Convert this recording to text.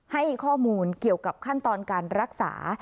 ให้ข้อมูลเกี่ยวกับขั้นตอนการรักษา